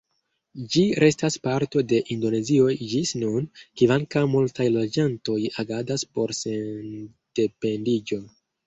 Ĝi restas parto de Indonezio ĝis nun, kvankam multaj loĝantoj agadas por sendependiĝo.